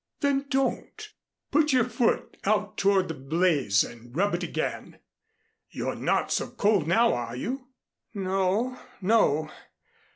"Then don't. Put your foot out toward the blaze and rub it again. You're not so cold now, are you?" "No no.